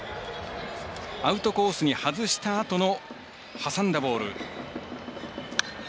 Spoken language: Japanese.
アウトコースに、外したあとの挟んだボール。